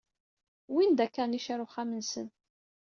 Wwin-d akanic ar uxxam-nsen.